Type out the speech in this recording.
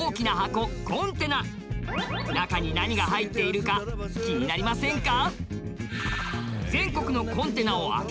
中に何が入っているか気になりませんか？